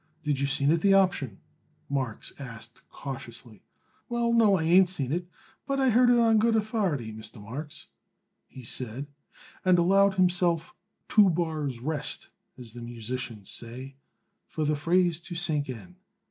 "Did you seen it the option?" Marks asked cautiously. "Well, no, I ain't seen it, but I heard it on good authority, Mr. Marks," he said, and allowed himself two bars' rest, as the musicians say, for the phrase to sink in.